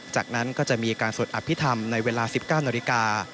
จากนั้นก็จะมีการสวดอภิษฐรรมในเวลา๑๙นาฬิกา